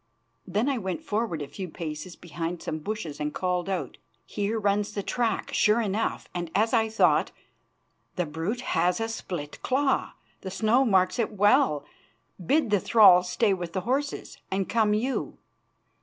Then I went forward a few paces behind some bushes and called out: "Here runs the track, sure enough, and, as I thought, the brute has a split claw; the snow marks it well. Bid the thrall stay with the horses and come you."